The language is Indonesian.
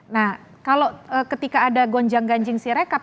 nah kalau ketika ada gonjang ganjing sirekap